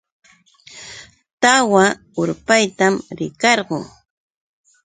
Tawa urpaytam rikarquu.